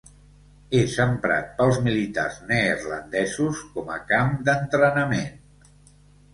És emprat pels militars neerlandesos com a camp d'entrenament.